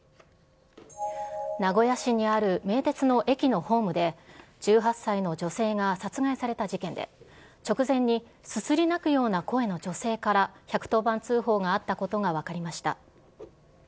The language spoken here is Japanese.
名古屋市にある名鉄の駅のホームで、１８歳の女性が殺害された事件で、直前にすすり泣くような声の女性から、１１０番通報があったことが分かりました。